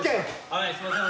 はいすいません。